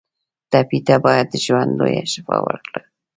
ټپي ته باید د ژوند لویه شفا ورکړو.